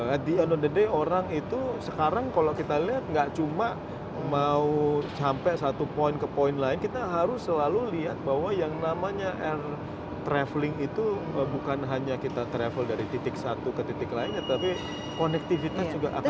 at the day orang itu sekarang kalau kita lihat nggak cuma mau sampai satu poin ke poin lain kita harus selalu lihat bahwa yang namanya air traveling itu bukan hanya kita travel dari titik satu ke titik lainnya tapi konektivitas juga akan